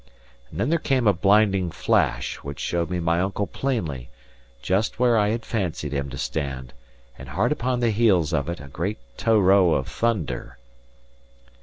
And then there came a blinding flash, which showed me my uncle plainly, just where I had fancied him to stand; and hard upon the heels of it, a great tow row of thunder.